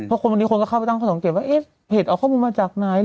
เพราะคนวันนี้คนก็เข้าไปตั้งข้อสังเกตว่าเอ๊ะเพจเอาข้อมูลมาจากไหน